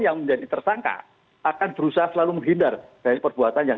yang menjadi tersangka akan berusaha selalu menghindar dari perbuatan yang